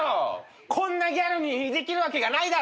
こんなギャルにできるわけがないだろ。